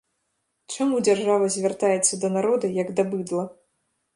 Чаму дзяржава звяртаецца да народа, як да быдла?